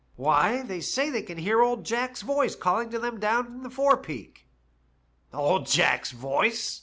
"* Why, they say they can hear old Jack's voice calling to them down in the forepeak.' "*01d Jack's voice?'